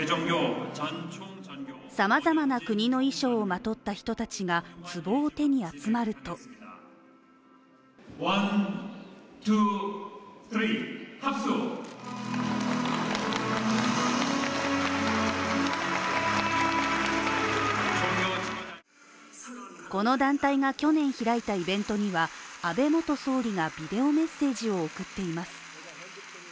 さまざまな国の衣装をまとった人たちがつぼを手に集まるとこの団体が去年開いたイベントには安倍元総理がビデオメッセージを送っています。